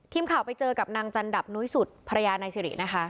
ทีมข่าวไปเจอกับนางจันดับนุ้ยสุดภรรยานายสิรินะคะ